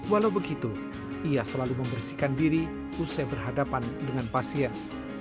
walau begitu ia selalu membersihkan diri usai berhadapan dengan pasien